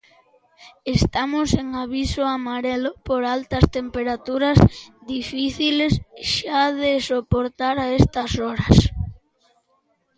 Estamos en aviso amarelo por altas temperaturas, difíciles xa de soportar a estas horas.